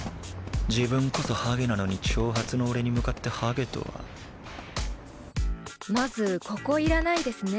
自分こそハゲなのに長髪の俺に向かってハゲとはまずここいらないですね